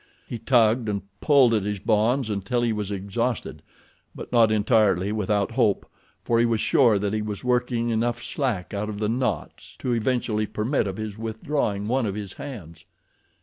He tugged and pulled at his bonds until he was exhausted; but not entirely without hope, for he was sure that he was working enough slack out of the knot to eventually permit of his withdrawing one of his hands.